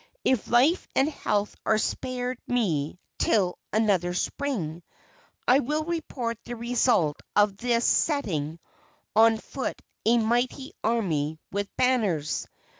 If life and health are spared me till another spring, I will report the result of thus setting on foot a mighty "army with banners."